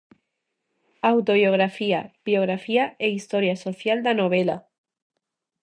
Autobiografía, biografía e historia social da novela.